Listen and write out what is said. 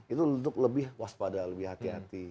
itu untuk lebih waspada lebih hati hati